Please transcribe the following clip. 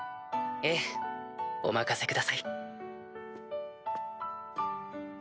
ええお任せください。